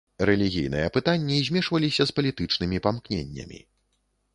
Рэлігійныя пытанні змешваліся з палітычнымі памкненнямі.